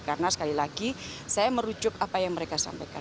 karena sekali lagi saya merujuk apa yang mereka sampaikan